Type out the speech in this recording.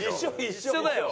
一緒だよ。